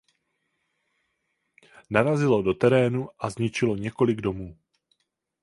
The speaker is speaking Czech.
Narazilo do terénu a zničilo několik domů.